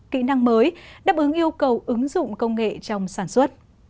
kỹ năng mới đáp ứng yêu cầu ứng dụng công nghệ trong sản xuất